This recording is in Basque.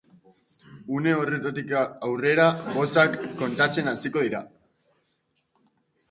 Une horretatik aurrera bozak kontatzen hasiko dira.